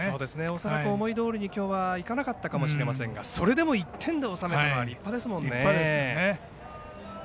恐らく、思いどおりにきょうはいかなかったかもしれませんがそれでも１点で抑えたのは立派ですね。